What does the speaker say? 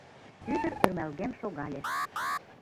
Ӱдыр ӧрмалген шогале.